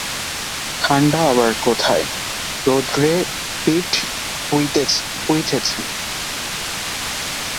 ঠাণ্ডা আবার কোথায়–রৌদ্রে পিঠ পুড়িতেছে।